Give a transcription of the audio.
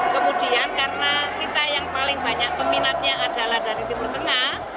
kemudian karena kita yang paling banyak peminatnya adalah dari timur tengah